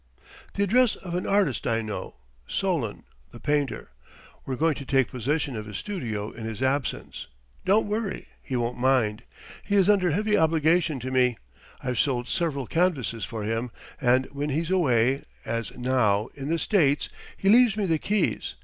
"The address of an artist I know Solon, the painter. We're going to take possession of his studio in his absence. Don't worry; he won't mind. He is under heavy obligation to me I've sold several canvasses for him; and when he's away, as now, in the States, he leaves me the keys.